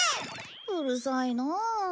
うるさいなあ。